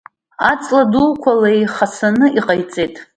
Аҵла дуқәа леихасаны иҟаиҵеит.